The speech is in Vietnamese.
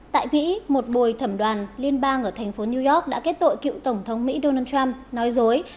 tại mỹ một bồi thẩm đoàn liên bang ở thành phố new york đã kết tội cựu tổng thống mỹ donald trump nói dối